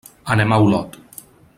Anem a Olot.